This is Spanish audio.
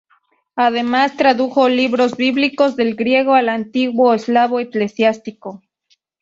Además tradujo libros bíblicos del griego al antiguo eslavo eclesiástico.